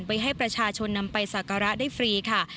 ไปให้ประชาชนนำไปสักการะได้ฟรีค่ะ